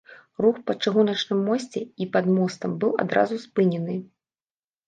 Рух па чыгуначным мосце і пад мостам быў адразу спынены.